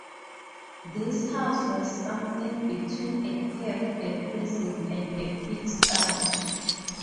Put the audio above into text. This house was something between a cave, a prison, and a pig-stye.